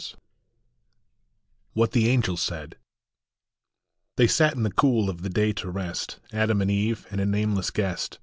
211 WHAT THE ANGEL SAID. HEY sat in the cool of the day to rest, Adam and Eve, and a nameless guest.